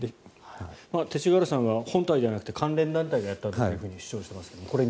勅使河原さんは本体じゃなくて関連団体がやったと主張していますが。